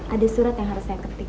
ada surat yang harus saya ketik